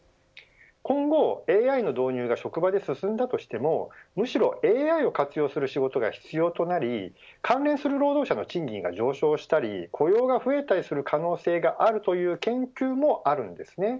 今後、ＡＩの導入が職場で進んだとしてもむしろ、ＡＩを活用する仕事が必要となり関連する労働者の賃金が上昇したり雇用が増えたりする可能性があるという研究もあるんです。